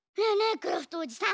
クラフトおじさん。